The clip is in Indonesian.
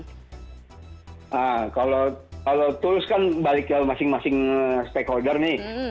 nah kalau tools kan balik ke masing masing stakeholder nih